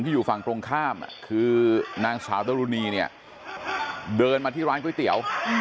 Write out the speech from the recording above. อยู่ฝั่งตรงข้ามคือนางสาวดรุณีเนี่ยเดินมาที่ร้านก๋วยเตี๋ยว